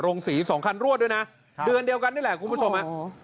สีสองคันรวดด้วยนะเดือนเดียวกันนี่แหละคุณผู้ชมฮะ